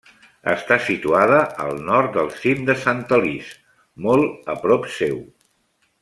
Està situada al nord del cim de Sant Alís, molt a prop seu.